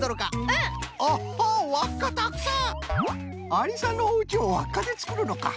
ありさんのおうちをわっかでつくるのか。